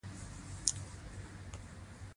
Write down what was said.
ازادي راډیو د ورزش په اړه د روغتیایي اغېزو خبره کړې.